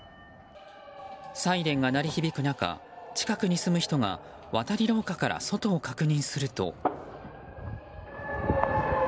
サイレンが鳴り響く中近くに住む人が渡り廊下から外を確認すると。